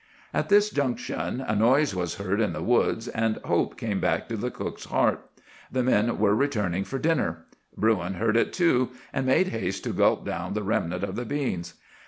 "At this junction a noise was heard in the woods, and hope came back to the cook's heart. The men were returning for dinner. Bruin heard it too, and made haste to gulp down the remnant of the beans.